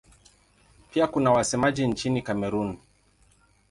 Pia kuna wasemaji nchini Kamerun.